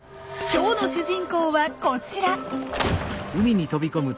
今日の主人公はこちら！